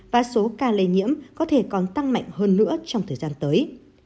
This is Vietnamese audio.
và số ca lây nhiễm có thể còn tăng mạnh hơn nữa trong thời gian tới